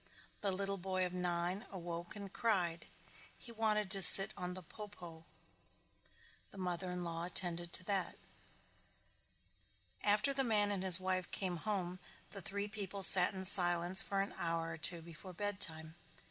The little boy of nine awoke and cried. He wanted to sit on the po po. The mother in law attended to that. After the man and his wife came home the three people sat in silence for an hour or two before bedtime.